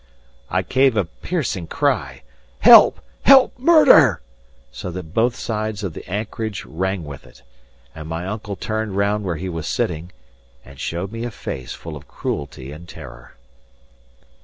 I gave a piercing cry "Help, help! Murder!" so that both sides of the anchorage rang with it, and my uncle turned round where he was sitting, and showed me a face full of cruelty and terror.